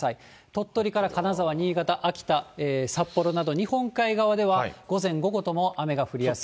鳥取から金沢、新潟、秋田、札幌など、日本海などでは午前、午後とも雨が降りやすい。